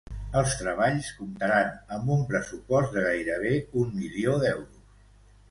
Els treballs comptaran amb un pressupost de gairebé un milió d'euros.